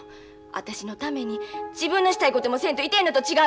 私のために自分のしたいこともせんといてんのと違う？